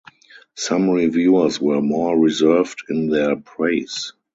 Some reviewers were more reserved in their praise.